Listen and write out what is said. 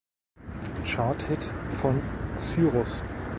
Charthit von Cyrus.